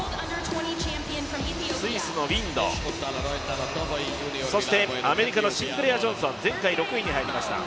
スイス、そしてアメリカのシンクレア・ジョンソン前回６位に入りました。